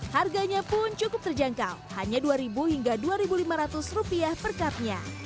harganya pun cukup terjangkau hanya rp dua hingga rp dua lima ratus per cutnya